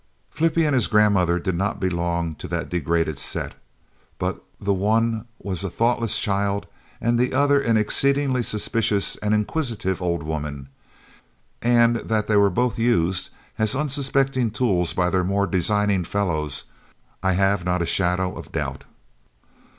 Flippie and his grandmother did not belong to that degraded set, but the one was a thoughtless child and the other an exceedingly suspicious and inquisitive old woman, and that they were both used as unsuspecting tools by their more designing fellows I have not a shadow of doubt.